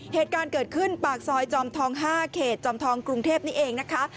เหตุการณ์เกิดขึ้นปากซอยจอมทอง๕เขตจอมทองกรุงเทพนี่เองนะคะ